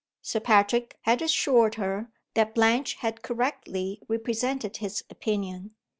Sir Patrick had assured her that Blanche had correctly represented his opinion.